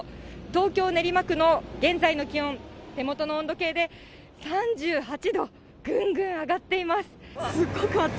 東京・練馬区の現在の気温、手元の温度計で３８度、ぐんぐん上がっています。